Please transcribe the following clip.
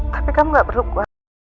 tapi kamu gak perlu kuat